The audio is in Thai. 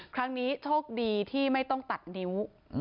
ครั้งนี้โชคดีที่ไม่ต้องตัดนิ้ว